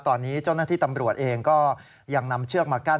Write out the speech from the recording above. ตอนนี้เจ้าหน้าที่ตำรวจเองก็ยังนำเชือกมากั้น